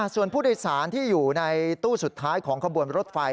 ส่วนผู้โดยสารที่อยู่ในตู้สุดท้ายของขบวนรถไฟ